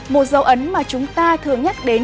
một dấu ấn mà chúng ta thường nhắc đến